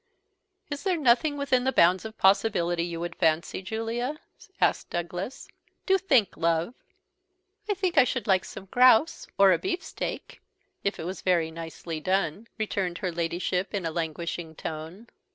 "Is there nothing within the bounds of possibility you would fancy, Julia?" asked Douglas. "Do think, love." "I think I should like some grouse, or a beefsteak, if it was very nicely done," returned her Ladyship in a languishing tone.